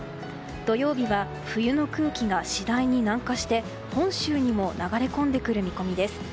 土曜日は冬の空気が次第に南下して本州にも流れ込んでくる見込みです。